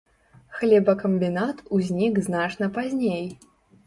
Хлебакамбінат узнік значна пазней.